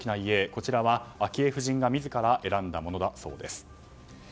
こちらは、昭恵夫人が自ら選んだものだそうです。